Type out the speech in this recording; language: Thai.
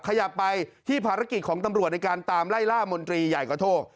ขยับไปที่ภารกิจของตำรวจในการตามไล่ล่ามนตรีใหญ่กระโทก